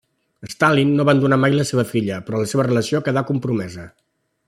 Stalin no abandonà mai la seva filla, però la seva relació quedà compromesa.